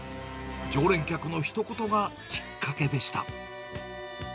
常連客のひと言がきっかけでした。